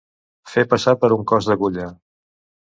Fer passar per un cos d'agulla.